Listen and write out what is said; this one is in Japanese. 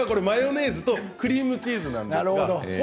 マヨネーズとクリームチーズなんです。